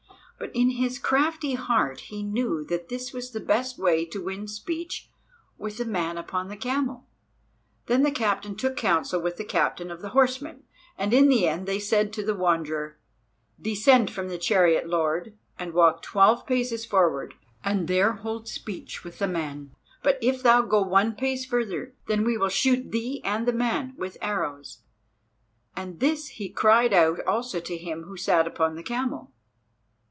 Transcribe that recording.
But in his crafty heart he knew that this was the best way to win speech with the man upon the camel. Then the captain took counsel with the captain of the horsemen, and in the end they said to the Wanderer: "Descend from the chariot, lord, and walk twelve paces forward, and there hold speech with the man. But if thou go one pace further, then we will shoot thee and the man with arrows." And this he cried out also to him who sat upon the camel.